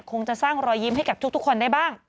คงจะสร้างรอยยิ้มให้กับทุกคนได้บ้าง